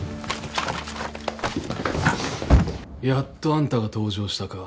やっとあんたが登場したか。